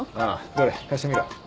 どれ貸してみろ